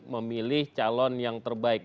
memilih calon yang terbaik